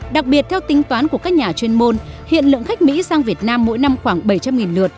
đặc biệt theo tính toán của các nhà chuyên môn hiện lượng khách mỹ sang việt nam mỗi năm khoảng bảy trăm linh lượt